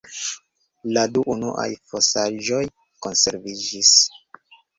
La du unuaj fosaĵoj konserviĝis.